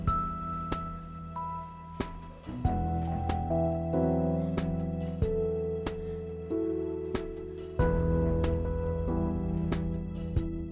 anak apa itu begitu